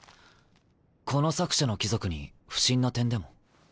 この作者の貴族に不審な点でも？